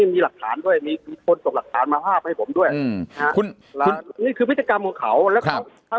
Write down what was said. พอมาเกิดคุณศรีศวรรณวันนี้